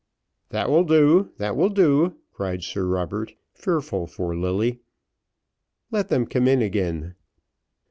"That will do, that will do," cried Sir Robert, fearful for Lilly, "let them come in again."